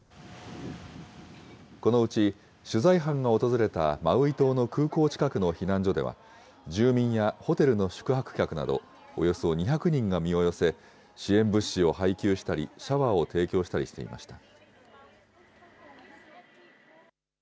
このうち取材班が訪れたマウイ島の空港近くの避難所では、住民やホテルの宿泊客などおよそ２００人が身を寄せ、支援物資を配給したり、シャワーを提供したりしていました。